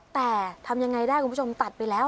แต่ทำยังไงได้คุณผู้ชมตัดไปแล้ว